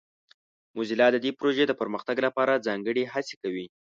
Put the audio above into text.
موزیلا د دې پروژې د پرمختګ لپاره ځانګړې هڅې کوي.